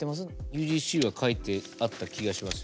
ＵＧＣは書いてあった気がします。